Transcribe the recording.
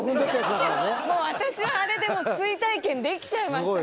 だけどもう私はあれで追体験できちゃいましたから。